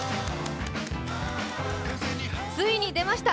ついに出ました、